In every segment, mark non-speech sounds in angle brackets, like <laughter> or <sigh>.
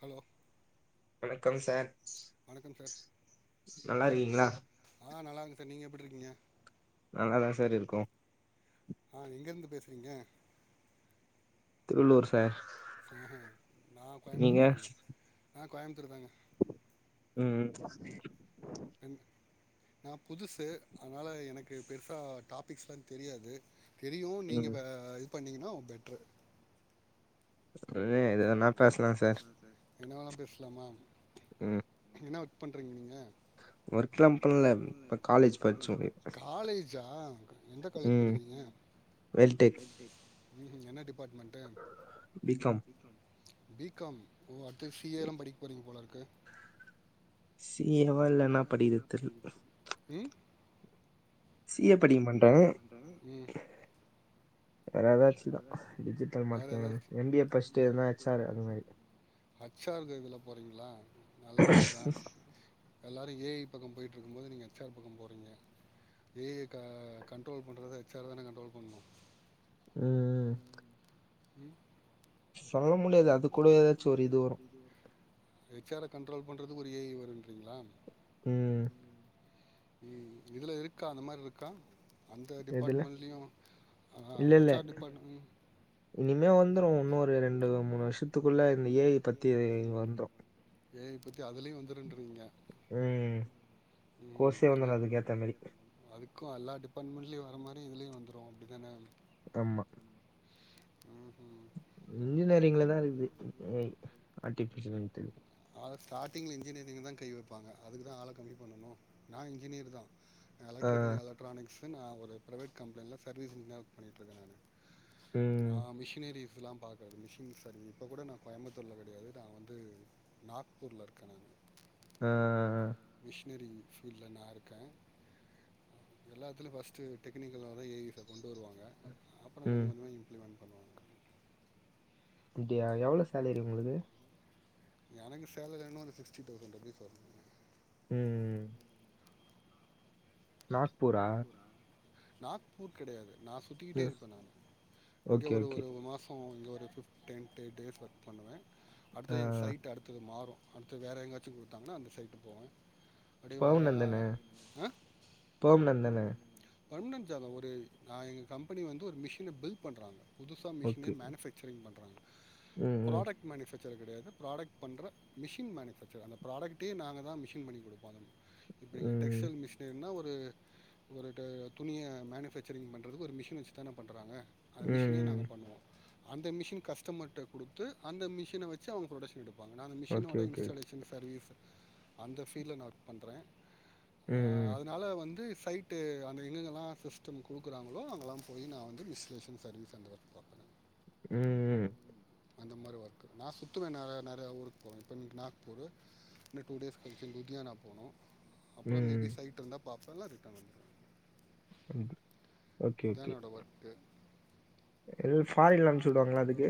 Hello வணக்கம் sir வணக்கம் sir நல்லா இருக்கீங்களா ஆ நல்லார்கன் சார் நீங்க எப்டி இருக்கீங்க நல்லாதா சார் இருக்கோ ஆ எங்க இருந்து பேசுறீங்க திருவள்ளூர் சார் ஆ நா கோயமுத்தூர் நீங்க தானுங்க ஆ கோயமுத்துர்தாங்க ம் நா புதுசு அதனால எனக்கு பெருசா டாப்பிக்ஸ்லா தெரியாது தெரியு நீங்க ம் ப இது பண்ணீங்கனா ஒ பெட்ரு <unintelligible> சார் என்ன வேணா பேசலாமா ம் என்ன பண்றிங்க நீங்க? ஒர்க்லா பண்ல இப்ப காலேஜ் படிச்சோ காலேஜா எந்த காலேஜ் ம் படிக்கிறீங்க? வெல்டெக் ம்ஹும் என்ன department B com B com ஓ அட்த்து சி ஏ லா படிக் போறீங்க போலருக் கு சி ஏ வா இல்ல என்னா படிக்கிது தெர்ல் ம் சி ஏ படிக்க மாட்டே வேற ஏதாச்சுதா டிஜிட்டல் வேற மார்க்கெட் எதாச்சு எம் பி ஏ படிச்சுட்டு எதுனா ஹெச் ஆர் அது மாரி ஹெச் ஆர் கதுல போறீங்ளா நல்ல இதுதா எல்லாரு ஏ ஐ பக்க போயிட் ருக்கும்பொது நீங்க ஹெச் ஆர் பக்க போறீங்க ஏ ஐ‌ க கண்ட்ரோல் பண்றது ஹெச் ஆர் தான கண்ட்ரோல் பண்ணு ம் ம் ம் சொல்ல முடியாது அது கூட எதாச்சு ஒரு இது வரு ஹெச் ஆர கன்ட்ரோல் பண்றதுக்கு ஒரு ஏ ஐ வருன்றீங்ளா ம் ம் இதுல இருக்கா அந்த மாரி இருக்கா? அந்த எதுல டிபார்ட்மெண்ட்லேயும் இல்லெல்ல ஹெச்ஆர் டிபார்ட்மெண்ட் இனிமே வந்துரு உன்னொரு ரெண்டு மூணு வருஷத் துக்குள்ள இந்த ஏ ஐ பத்தி வந்துரு ஏ ஐ பத் தி அதுலயு வந்துருன்றீங்க ம் ம் கோர்ஸே எ வந்துரும் அதுக்கு ஏத்த மாரி அது க்கு அல்லா டிபார்ட்மன்ட்லயு வர மாரி இதுலயு வந்துரு அப்டிதான ஆமா ம் இன்ஜினியரிங்லதா இருக்கு ஏ ஐ ஆர்டிஃபிஷியல் இன்டு அத ஸ்டார்ட்டிங்ல இன்ஜினியரிங்க தா கை வைப்பாங்க அதுக்குதா ஆள கம்மி பண்ணணு நா இன்ஜினியர் தா ஆ எலெக்ட்ரிக்க எலக்ட்ரானிக்ஸ் நா ஒரு பிரைவேட் கம்பெனில சர்வீஸ் இன்ஜினியரா ஒர்க் பண்ணிட்ருக்கே நானு நா ம் மிஷினரி ஸ்லா பாக்கரது மிஷின் சர்வி இப்ப கூட நா கோயம்புத்தூர்ல கெடையாது நா வந்து நாக்பூர்ல இருக்க நானு அ அ அ மிஷினரி ஃபீல்ட்ல நா இருக்க எல்லாத்துல ஃபஸ்ட்டு டெக்னிக்கலால ஏ ஐ ஸ கொண்டு வருவாங்க அப்புறம் கொஞ்ச ம் கொஞ்சமா இப்லிமண்ட் அப்டியா எவ்வள சேலரி உங்களுக்கு எனக்கு சேலரின் ஒரு சிக்ஸ்டி தௌசண்ட் ருப்பிஸ் வரனும் ம் ம் நாக்பூரா நாக்பூர் கிடையாது நா சுத்திக்கிட்டே ம் இருப்பே நானு இங்க ஓகே ஒரு ஓகே ஒரு மாசம் இங்கே ஒரு ஃபிப்டின் டே டேஸ் ஒர்க் பண்ணுவே ஆ அடுத்தது இங்க சைட் அடுத்தது மாறும் அடுத்து வேற எங்காச்சும் குடுத்தாங்கன்னா அந்த சைட் போவே அப்டியே வா பெர்மனன்ட் ஆ ந்தன்ன பர்மனன்ட் ஜாபா ஒரு நா எங்க கம்பெனி வந்து ஒரு மிஷின பில் பண்றாங்க. புதுசா மிஷினே ஓகே மேனு ஃபேக்சரிங் பண்றாங்க ம் ம் ப்ராடக்ட் மேனுஃபேக் ர் கிடையது் ப்ராடக்ட் பண்ற மிஷின் மேனுஃபேக்சர் அந்த ப்ரடக்ட்ட நாங்க தா மிஷின் பண்ணி குடுப்பாங்க இப்ப நீங்க ம் டெக்ஸ்டைல் மிஷின் னா ஒர் ம் ஒரு த துணியை மேனுஃபேக்சரிங் பண்றதுகு ஒரு மிஷின் வச்சுதானே பண்றாங்க அந்த ம் மிஷினே நாங்க ம் பண்ணுவோ அந்த மிஷின் கஸ்டமர் கிட்ட குடுத்து அந்த மிஷின வச்சு அவங்க புரொடஷன் எடுப் பாங்க நா அந்த ஓகே மிஷினோட ஓகே ஓகே இன்ஸ்டாலேஷன் சர்வீஸ் அந்த ஃபீல்ட்லா நா ஒர்க் பண்றே அ ம் அதனால வந்து சைட்டு அந்த எங்கங்கல்ல சிஸ்டம் குடுக்குறாங்களோ அங்கெல்லா போய் நா வந்து மிஸ்லேஷன் சர்வீஸ் அந்த வர்க் பாப்பே. ம் ம் அந்த மாரி ஒர்க்கு நா சுத்துவே நற நறய. ஊருக்கு போவ இப்ப நாக்பூரு இன் டூ டேஸ் கழிச்சி உத்யானா போனோம் அப்புறம் மேபி ம் சைட்டு இருந்தா பாப்ப லா ரிட்டன் வ தண்ணி குடு ஓக்கே ஓகே என்னோடய ஒர்க்கு ல் ஃபாரின்லா அம்ச்சிவுடுவாங்கள அதுக்கு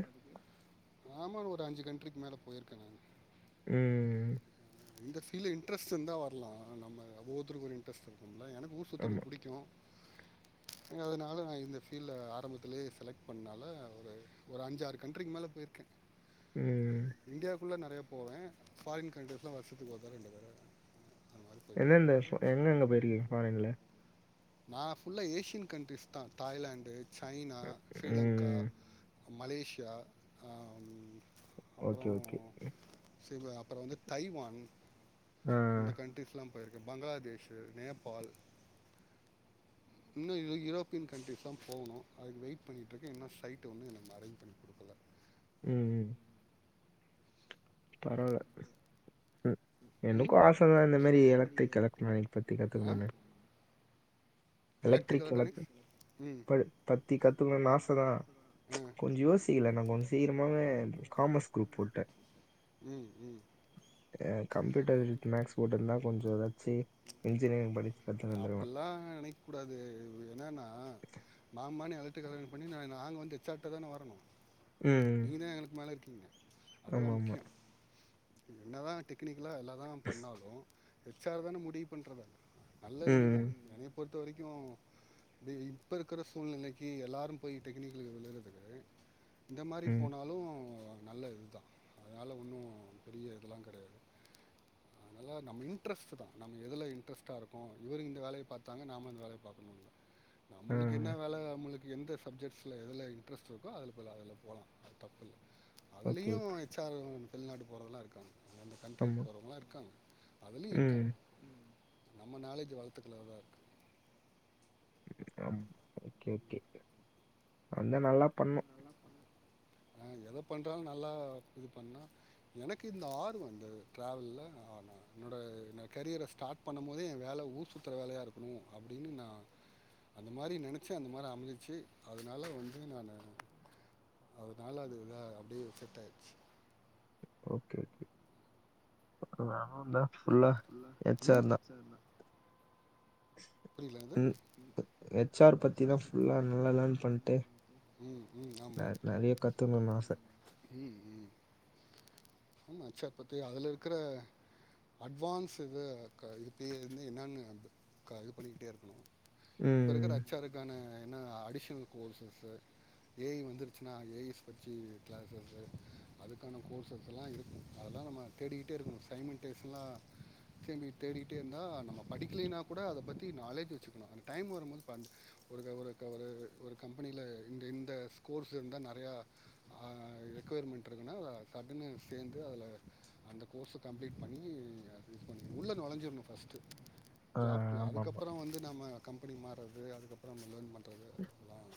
ஆமா நா ஒரு அஞ்சு கண்டரிக்கு மேல போயிருக்கேங்கே ம் இந்த ஃபீல்ட் இன்ரெஸ்ட் இருந்தா வரலம் நம்ம ஒவ்வொருத்தருக்கு ஒரு இன்ரஸ்ட் இருக்கும்ல எனக் ஊர் சுத்தறது ஆமா. புடிக்கும் அதனால நா இந்த ஃபீல்ட் ஆரம்பத்துலயே செலக்ட் பன்னாலா ஒரு அஞ்சு ஆறு கண்ட்ரிக்கு மேலே போயிருக்கே ம். இண்டியா க்குள்ள நெறையா போவே ஃபாரின் கண்ட்ரிஸ்லா வருஷத்துக்கு ஒரு தடவ ரெண்டு தடவ எந்தெந்த ஃபா எங்க எங்க போயிருக்கீங்க ஃபாரின்ல? நா ஃபுல்லா ஏசியன் கண்ட்ரீஸ்தா தாய்லாந்து சைனா ஸ்ரீலங்கா ம். மலேசியா அம் ஓகே ஓகே அப்புற வந்து தைவான் ஆ. இந்த கண்ட்ரீஸ்லா போயிருக்கே பங்களாதேஷு நேபாள் இன்னு யூ யூரோப்பியன் கண்ட்ரீஸ்லா போகணு அதுக்கு வெயிட் பண்ணிட்டுருக்கே இன்னு சைட் வந்து எனக்கு இன்னு அரேஞ்ச் பண்ணி குடுக்கல ம் ம் பரவா ம் ம் எனக்கு ஆசதா இந்த மாரி எலக்ட்ரிக் எலக்ட்ரானிக் பத்தி ஆ கத்துக்கணுன்னு எலக்ட்ரிக் எலக்ட்ரா ம் ப பத்தி கத்துக்கணுன்னு ஆசதா ஆ கொஞ்ச யோசிக்கல நா கொஞ்ச சீக்கிரமாவே காமர்ஸ் குரூப் போட்டுட்டே ம் ம் ஆ கம்ப்யூட்டர் வித் மேக்ஸ் போட்ருந்தா கொஞ்ச ஏதாச்சி இன்ஜினியரிங் படிச்சு கத்துனு வந்துருவே அப்படிலாம் நினைக்கக்கூடாது இந்த மாரி நா எலக்ட்ரிக்கல் எல்க்ட்ரானிக் பண்ணி நா நாங்க வந்து ஹெச் ஆர் ட்டதான வரணு ம். நீதா எனக்கு மேல இருக் அதுதா ஆமாமா. முக்கியோ ம் என்னதா டெக் னிக்கலா என்னதா பண்ணாலு ஹெச் ஆர் தான முடிவு பண்றது நல்ல இதுதா ம். என்னய பொறு த்த வரைக்கு இது இப்ப இருக்குற சூழ்நிலைக்கி எல்லாரு போய் டெக்னிக்கலுக்கு விழறதுக்கு இந்த மாரி ம். போனாலு நல்ல இதுதா அதனால ஒண்ணு பெரிய இதல்லா கெடையாது அதனால நம்ம இன்ட்ரெஸ்ட்டுதா நம்ம எதுல இன்ட்ரெஸ்டா இருக்கோ இவரு இந்த வேலய பாத்தாங்க நாம இந்த வேலய பாக்கணுன்னு இல்ல ஆ. நம்மளுக்கு என்ன வேல நம்மளுக் கு எந்த சப்ஜெக்ட்ஸ்ல எதுல இன்ட்ரெஸ்ட் இருக்கோ அதுல போலா அதுல போலா அது தப்பில்ல அதுலயு ஓகே. ஹெச் ஆரு அவுங்க வந்து வெளிநாடு போறதல்லா இருக்காங்க அது அந்த ட்ரிக்கி ஆமா. போறவங்கல்லா இருக்காங்க அதுலயு இருக்காங்க ம். நம்ம நாலேஜ வளத்துக்கறதுலதா இருக்கு ஆம் ஓகே ஓகே அதா நல்லா பண்ணுணு ஆ எத பண்றாலு நல்லா இது பண்ணா எனக்கு இந்த ஆர்வ வந்து ட்ராவல்ல ஆர்வ என்னோட என்ன கரியர ஸ்டார்ட் பண்ணம்மோதே எ வேல ஊர் சுத்துற வேலையா இருக்கணு அப்டின்னு நா அந்த மாரி நெனச்சே அந்த மாரி அமஞ்சுச்சு அதுனால வந்து நானு அதுனால அது இதா அப்டியே செட் ஆயிட்ச்சு ஓகே ஓகே நானுந்தா ம் புரில என்னது ம். ஹெச்ஆர் பத்தி தான் ஃபுல்லா நல்லா லேர்ன் பண்ணிட்டு, ம் ம் ஆமா நெ நெறைய கத்துக்கணும்னு ஆசை. ம் ம் ஆமா ஹெச் ஆர் பத்தி அதுல இருக்குற அட்வான்ஸு வ க இது <unintelligible> என்னான்னு அது க இது பண்ணிக்கிட்டே இருக்கணு இப்ப இருக்குற ம். ஹெச் ஆர் இருக்கானே என்ன அடிஷல் கோர்ஸஸு ஏ ஐ வந்துருச்சுனா ஏ ஐஸ் பட்ச்சி கிளாஸஸு அதுக்கான கோர்சஸ் எல்லா இருக்கு அதெல்லா நம்ம தேடிக்கிட்டே இருக்கணு சைமென்டேஸ்லா தேம்பி தேடிக்கிட்டே இருந்தா நம்ம படிக்லைன்னா கூட அத பத்தி நாலேஜ் வச்சுக்கணு அந்த டைம் வரும்போதுப்பா அந் ஒரு க ஒரு க ஒரு ஒரு கம்பெனில இந்த இந்த ஸ்கோர்ஸ் இருந்தா நறயா ஆ ரெக்குயர்மெண்ட் இருக்குன்னா அத சட்டுனு சேந்து அதுல அந்த கோர்ஸ கம்ப்ளீட் பண்ணி அது உள்ள நொழஞ்சிர்ணு ஃபஸ்ட்டு ஆ ஜாப்குள்ள ஆமாமா. அதுக்கப்புறொ வந்து நம்ம கம்பெனி மா அது அதுக்கப்பற நம்ம லேர்ன் பண்ற உம்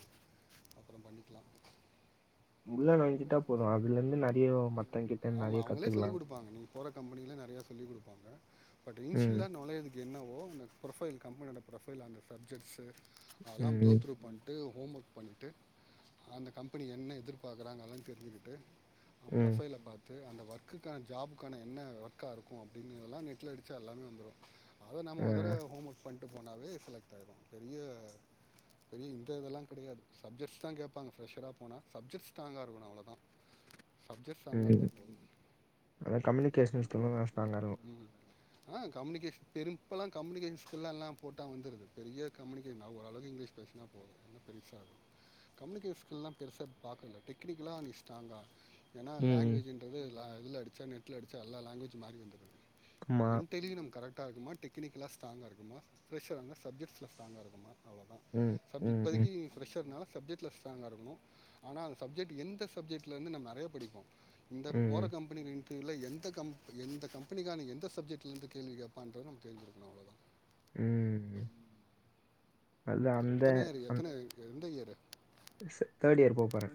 <inaudible> உள்ள நொழ்ஞ்சுட்டா போது அதுலந்து நறையொ மத்தவ்ங்கிட்டந் ஆமாம் நறைய அவங்களே கத்துக்லா சொல்லிக் கொடுப்பாங்க நீங்கள் போகிற கம்பெனியில் நிறையா சொல்லிக் குடுப்பாங்க பட் இன்ஷியலா நொழையதுக்கு என்னவோ <unintelligible> ப்ரொஃபைல் கம்பனியோட ப்ரொஃபைல் அந்த சப்ஜக்ட்ஸு ம். அதுலா ம். கோத்ரூ பண்ட்டு ஹோம் ஒர்க் பண்ட்டு அந்த கம்பெனி என்ன எதிர்பார் க்குறாங்க அதுலா தெருஞ்சுகிட்டு அ ம். ப்ரொஃபைல பாத்து ட்டு அந்த ஒர்க்குக்கான ஜாபுக்கான என்ன ஒர்க்கா இருக்கு அப்டின்னு இதெல்லா நெட்ல அடுச்சா எல்லாமே வந்துரு அது நம்ம ஆ. ஒதர ஹோம்ஒர்க் பண்ட்டு போனாவே செலக்ட் ஆயிர்லா பெரிய பெரிய இந்த இதெல்லா கெடயாது சப்ஜெக்ட்ஸ் தா கேப்பாங்க ஃப்ரெஷ்ஷரா போனா சப்ஜெக்ட்ஸ் ஸ்ட்ராங்கா இருக்கனு அவ்ளதா சப்ஜெக்ட் ஸ்ட்ராங்கா இருந்தா ம். போது அதான் கம்யூனிகேஷன் ஸ்கில்லும் நான் ஸ்ட்ராங்கா இருக்கும். ம் ஆ கம்யூனிகேஷ் பெரும்பலா கம்யூனிகேஷன் ஸ்கில்லா எல்லா போட்டா வந்துருது பெரிய கம்யூனிகே என்னா ஓரளவுக்கு இங்கிலீஷ் பேசுனா போது என்ன பெருசா கம்யூனுகே ஸ்கில்லா பெருசா பாக்கல டெக்னிக்கலா அந்த ஸ்ட்ராங்கா எனா ம். ம். லாங்வேஜுன்றது லா இல்ல அடுச்சா நெட்ல அடுச்சா எல்லா லாங்வேஜு மாரி வந்துரு ஆமா. மெண்ட்டலி நம்ம கரெ ட்டா இருக்கொமா டெக்னிக்கலா ஸ்ட்ராங்கா இருக்கொமா ஃப்ரெஷ்ஷர்னா சப்ஜெக்ட்ஸ்ல ஸ்ட்ராங்கா இருக்கொமா அவ்ளதா ம். சப் ம். ம். இப்பதக்கி ஃப்ரஷ்ஷர்னால சப்ஜெக்ட்ல ஸ்ட்ராங்கா இருக்கனு ஆனா சப்ஜெக்ட் எந்த சப்ஜெக்ட்லந்து நம் நறைய படிப்போ இந்தம் போற ம். கம்பெனிரீ எந்த க எந்த கம்பெனிக்காரனுங்க எந்த சப்ஜெக்ட்ல இருந்து கேள்வி கேப்பான்றது நம்ம தெரிஞ்சுக்கனு அவ்ளதா ம் அதுதான் எத்தன இயர் ஏ எத்தன எந்த இயர் தேர்ட் இயர் போ போறே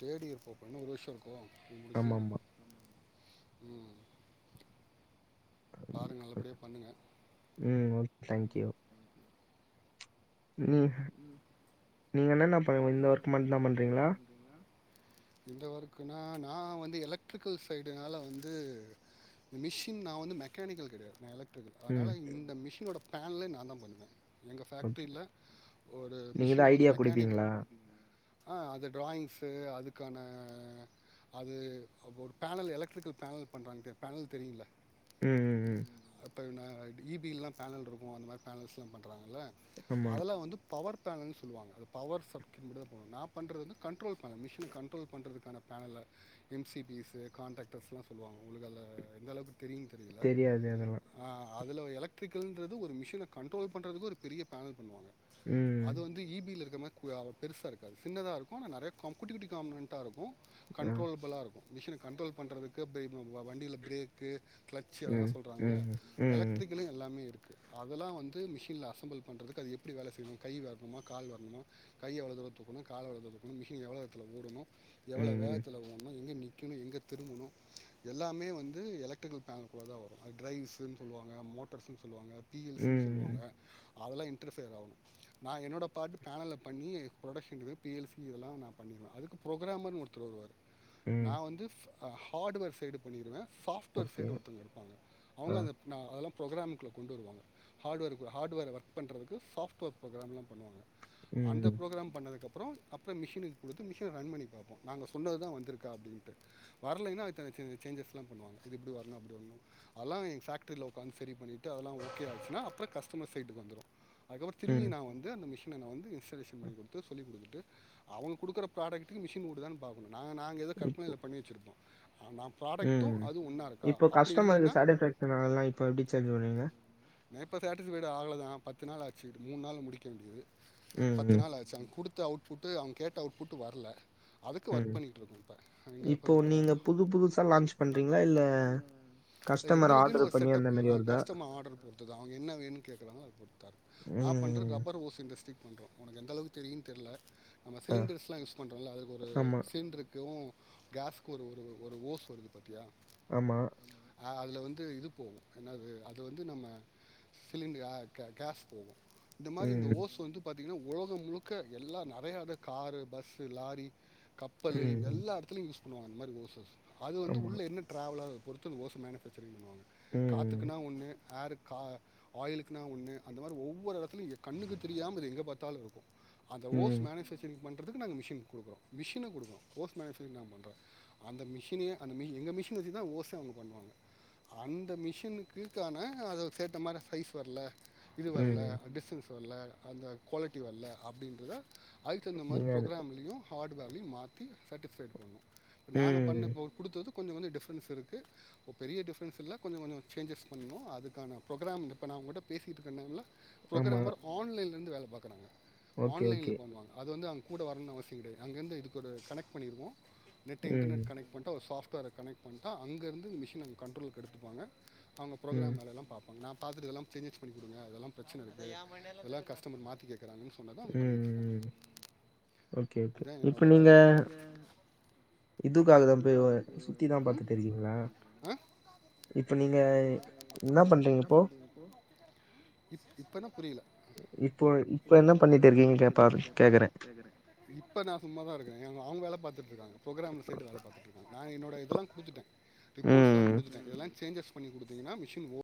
தேடி போப்போ இன்னு ஒரு வர்ச இருக் கோ முருகு ஆமாமா. ம் பாருங்க நல்லபடியே பண்ணுங்க ம். ஓகே. தேங்க் ம் நீங்க என்னன்ன பண்ண இந்த ஒர்க் மட்டுதா பண்றீங்களா இந்த வர்கக்குனா நா வந்து எலக்ட்ரிக்கல் சைடுனால வந்து இந்த மிஷின் நா வந்து மெக்கானிக்கல் கெடையாது ருக் அதனால ம். இந்த மிஷினோட பேன்லே நா தா பண்ணுவே எங்க ஓகே. ஃபேக்ட்ரியில்ல நீங்க தா ஐடியா குடுப்பீங்களா ஆ அது டிராயிங்ஸு அதுக்கான அது ஒரு பேனல் எலக்ட்ரிக்கல் பேனல் பண்றாங்க தெ பேனல் தெரியல ம் ம் ம் இப்போ இபிலெல்லா பேனல் இருக்கு அந்த மாரி பேனல்ஸ்லா பண்ணுறாங்க ஆமா. அதல்லா வந்து பவர் பேனல்ன்னனு சொல்லுவாங்க அ பவர் சப்கிப்டல் மட்டு தா போவு நா பண்ற வந்து கண்ட்ரோல் பேனல் மிஷின கண்ட்ரோல் பண்ணுறதுக்கான பேனலில் எம்சிபிஸு கான்ண்ட்ராக்டர்ஸ்லா சொல்லுவாங்க உங்களுக்கு எந்தளவுக்கு தெரியு தெரில தெரியாது அதெல்லாம். அ அதில் எலக்ட்ரிக்கலன்றது ஒரு மிஷின கண்ட்ரோல் பண்ணுறதுக்கு ஒரு பெரிய பேனல் பண்ணுவாங்க ம். அது வந்து இபி ல இருக்க மாரி பெருசா இருக்கா சின்னதாக இருக்கு ஆனா நெறைய காம்படிவி கானட்டாக இருக்கு ஆ. கண்ட்ரோலப்ளாக இருக்கு மிஷின் கண்ட்ரோல் பண்றதுக்கு பிரேக் வண்டியில ப்ரேக்கு கிளட்சச் அதல்ல ம், சொல்கிறாங்கள ம், ம், எலக்ட்ரிகலு எல்லாமே இருக்கு அதல்லா வந்து மிஷின்ல அசம்பள் பண்றதுக்கு அது எ எப்ப வேலை செய்யணு கை வரணமா கால் வரணமா கை எவ்ளோட தக்கணு கால்வ்ள தக்கணு மிஷின்வ்வளோ இதத்துல ஓடுணு எவ்வளவு ம், வேகத்துல போனோ எங்க வைக்கணு எங்கே திரும்பணு எல்லாமே வந்து எலக்ட்ரிக்கல் பேனல்கள்ள தா வரு அது ட்ரைவ்ஸுன்ன சொல்லுவாங்க மோட்டர்ஸ்ன்னு சொல்லுவாங்க பிஎல்சி னு சொல்லுவாங்க ம், அதல்லா ட்ஃபயர் ஆகு நா என்னோட பாட்டு பேனலில பண்ணி ப்ரொடக்ஷன் இது பஎல்சி இதெல்லா நா பண்ணிருடுவே அதுக்கு ப்ரோக்ராமர்னு ஒருத்தர் வருவாரு நா ம். வந்து சூ பா ஹார்ட்வேர் சைடு பண்ணிடுவே சாஃப்ட்வேர் ஓகே. சைடு ஒருத்தங்க இருப்பாங்க ஆ. அவங்க அந்த நா அதெலா ப்ரோக்ராம்குல்ல கொண்டு வருவாங்க ஹாட்வேர்க்கு ஹாட்வேர் ஒர்க் பண்றதுக்கு சாஃப்ட்வேர் ப்ரோக்ராம்லா பண்ணுவாங்க அந்த ம், ப்ரோக்ராம் பண்ணதுக்கு அப் அப்றோ அப்றோ மிஷனுக்கு குடுத்து மிஷின ரன் பண்ணி பாப்போ நாங்க சொன்னதுதா வந்தருக்கா அப்டீன்ட்டு வரலைனா அதுக்கான சேஜ் சேஜ்சஸ்லா பன்னுவாங்க இது இப்டி வரணு அப்டி வரணு அதெல்லா ஏங் ஃபேக்ட்ரில உக்காந்து சரி பண்ணிட்டு அதெல்லா ஓகே ஆச்சுனா அப்றோ கஸ்டமர் சைட்டுக்கு வந்துரு அதுக்கப்றோ திரும்பி ம். நா வந்து அந்த மிஷின் நா வந்து இன்ஸ்டாலேஷன் பண்ணி குடுத்து சொல்லி குடுத்துட்டு அவங்க குடுக்குற ப்ராடக்டுக்கு மிஷின் ஓடுதானு பாக்கணு நாங்க நாங்க இத கற்பனைல் பண்ணி வச்சிருப்போ உ இருக்கா இப்ப அப்படி கஸ்டமர் இல்லைன்னா சேட்டிஸ்வக்ஷனாலனா இப்ப எப்டி சேன்ஜ் பன்னுவீங்க ஆ இப்ப சேட்டிஸ்ஃபைடு ஆகள தா பத்து நாள் ஆச்சு மூணு நாள்ள முடிக்க வேண்டியது ம், பத்து ம், நாள் ஆச்சங்க குடுத் குடுத்த அவுட்புட்டு அவங்க கேட்ட அவுட்புட்டு வரல அதுக்கு ஒர்க் ம். பண்ணிட்ருக்கோ இப்ப இங்க ப இப்போ ப நீங்க புது புதுசா லான்ச் பண்றீங்களா? இல்ல அ கஸ்டமர் எங்களுக்கூனு ஆர்டர் ஒரு பண்ணி செட்டப் அந்த மாரி அ வருதா? கஸ்டமர் ஆடர் பொருத்துதா அவங்க என்ன வேணுனு கேக்குறாங்களோ நா பண்ற ம். ரப்பர் ஓஸுங் ரெஸ்டிக் பண்றோ உனக்கு எந்த அளவுக்கு தெரியும்னு தெரில நம்ம ஆ. சிலிண்டர்ஸ்லா யூஸ் பண்றோல அதுக்கு ஒரு ஆமா, சிலிண்டருக்குனு கேஸ்க்கு ஒரு ஒரு ஒரு ஓஸ் வருது பாத்தியா ஆமா அ அதில வந்து இது போகு என்னது அது வந்து நம்ம சிலிண்ட்ரு அ க கேஸ் போவு இந்த மாரி இந்த ம், ஓஸ் வந்து பாத் பாத்தீங்னா ஒலகோ முழுக்க எல்லா நெறையா அது காரு பஸ்ஸு லாரி கப்பலு ம், எல்லாதுலயு யூஸ் ஆமா அந்த மாரி ஓஸஸு அது வந்து ஆமா. உள்ள என்ன டிராவலாகு பொறுத்துந்த ஓஸ மேனுஃபேக்சரிங் பண்ணுவாங்க ம், காத்துக்குனா ஒண்ணு ஹேரு கா ஆயிலுக்குனா ஒன்னு அந்த மாரி ஒவ்வொரு எடத்துலயு ய கண்ணுக்கு தெரியாம இது எங்கே பாத்தாலு இருக்கு அந்த ஓஸ் ம், மேனுஃபேக்சரிங் பண்றதுக்கு நாங்க மிஷின் குடுக்குறோ மிஷின குடுக்குறோ ஓஸ் மேனேஃபேச்சரிங் நாங்க பண்றோ அந்த மிஷினே அந்த மிஷி எங்க மிஷின வச்சு தா ஓஸே அவங்க பண்வாங்க அந்த மிஷினுக்குக்கான அத சேத்த மாரி சைஸ் வரல இது வரல ம். டிஸ்டன்ஸ் வல்ல அந்த குவாலிட்டி வல்ல அப்டின்றத அதுக்கு தகுந்த மாரி நீங்க அது புராக்ராம்லயு ஹார்டுவேர்லயு மாத்தி சர்ட்டிஃபைடு பண்ணணு நாங்க பண்ண ம். இப்ப குடுத்தது கொஞ்ச கொஞ்ச டிஃப்ரன்ஸ் இருக்கு ஒ பெரிய டிஃப்ரன்ஸ் இல்ல கொஞ்ச கொஞ்ச சேஞ்சஸ் பண்ணணு அதுக்கான ப்ரோக்ராம் இப்ப நா உங்கிட்ட பேசிட்ருக்கனல்ல ஆமா. புரக்ராமர் ஆன்லைன்ல இருந் து வேல பாக்கறாங்க ஓகே, ஆன்லைன்ல ஓகே. பண்ணுவாங்க அது வந்து அவுங் கூட வரணுன்னு அவசியோ கெடையாது. அங்க இருந்து இதுக்கு ஒரு கனெக்ட் பண்ணிருவோ நெட்டு ம், இன்டர்நெட் கனெக்ட் பண்ட்டு ஒரு சாஃப் ட்வேர கனெக்ட் பண்ட்டா அங்க இருந்து மிஷின அவங்க கண்ட்ரோலுக்கு எடுத்துப்பாங்க அவங்க ம், புரோக்ராம் வேல எல்லா பாப்பாங்க நா பாத்துட்டு இதெல்லாம் சேஞ்சஸ் பண்ணி குடுங்க அதெல்லா பிரச்சன இருக்கு அதெல்லா கஸ்டமர் மாத்தி கேக் கறாங்கன்னு சொன்னது அவங்க பண்ணி குடுத்துருவாங்க ம். Okay, okay. இதா இப்ப என்னோட நீங்க வேல ம் இதுக்காக தான் போய் சுத்தி தான் பார்த்துட்டு இருக்கீங்களா? இப்ப நீங்க என்ன பண்றீங்க இப்போ? ஆ இப் இப்பன்னா புரியல இப்போ இப்ப என்ன பண்ணிட்டு இருக்கீங்க? கேப்பா கேட்கிறேன். இப்ப நா சும்மாதா இருக்கே ஏன்னா அவங்க வேல பாத்துட் ருக்காங்க புரோக்ராமர் சைடு வேல பாத்துட்ருக்காங்க நா என்னோட இதெல்லா குடுத்துட்டே. ரிப்போர்ட்ஸ்லா ம். குடுத்துட்டே இதல்லா சேஞ்சஸ் பண்ணி குடுத்தீங்கன்னா மிஷின் ஓ